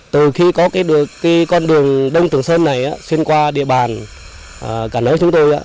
từ khi có cái đường đông trường sơn này xuyên qua địa bàn cả nơi chúng tôi